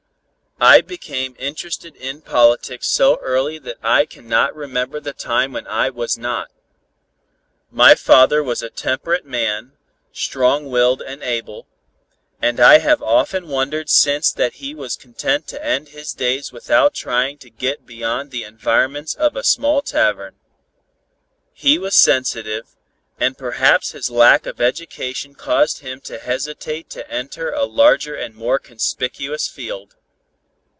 I became interested in politics so early that I cannot remember the time when I was not. My father was a temperate man, strong willed and able, and I have often wondered since that he was content to end his days without trying to get beyond the environments of a small tavern. He was sensitive, and perhaps his lack of education caused him to hesitate to enter a larger and more conspicuous field.